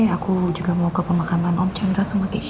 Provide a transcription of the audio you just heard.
aku juga mau ke pemakanan om chandra sama keisha